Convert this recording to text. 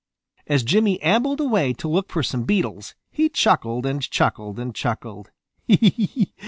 As Jimmy ambled away to look for some beetles, he chuckled and chuckled and chuckled.